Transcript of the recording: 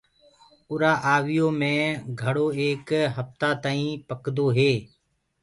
اُرآ آويٚ يو مي گھڙو ايڪ هڦتآ تآئينٚ پڪدو هي۔